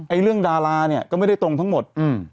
เรื่องดาราเนี่ยก็ไม่ได้ตรงทั้งหมด